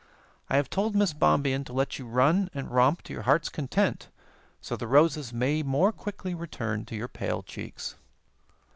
"I have told Miss Bombien to let you run and romp to your heart's content, so the roses may more quickly return to your pale cheeks."